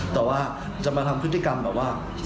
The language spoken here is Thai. แต่ว่าจะมาทำพฤติกรรมแบบว่า